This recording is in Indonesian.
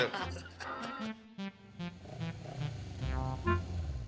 tuh lihat tuh